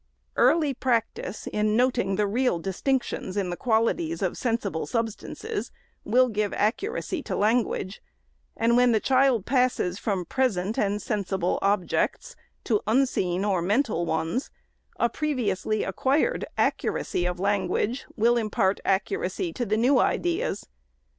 Early practice, in noting the real distinctions in the quali ties of sensible substances, will give accuracy to language ; and when the child passes from present and sensible objects to unseen or mental ones, a previously acquired accuracy of language will impart accuracy to the new ideas.